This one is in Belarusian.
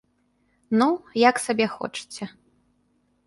Ну, як сабе хочаце.